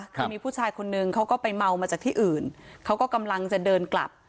คือมีผู้ชายคนนึงเขาก็ไปเมามาจากที่อื่นเขาก็กำลังจะเดินกลับ